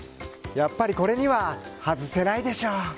やっぱりこれには外せないでしょ！